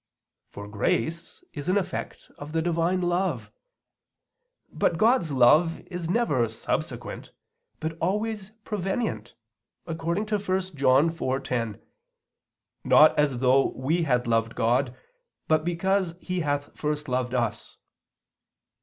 For grace is an effect of the Divine love. But God's love is never subsequent, but always prevenient, according to 1 John 4:10: "Not as though we had loved God, but because He hath first loved us."